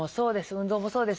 運動もそうです。